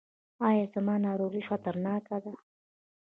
ایا زما ناروغي خطرناکه ده؟